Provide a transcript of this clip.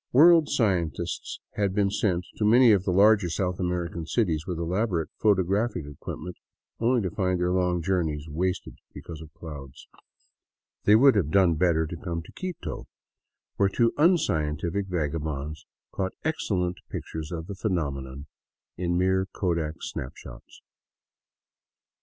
World scientists had been sent to many of the larger South American cities with elaborate photographic equipment, only to find their long journeys wasted because of clouds. They would have 159 VAGABONDING DOWN THE ANDES done better to have come to Quito, where two unscientific vagabonds caught excellent pictures of the phenomenon in mere kodak snap shots.